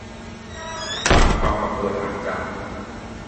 บางความบังเอิญอาจจะ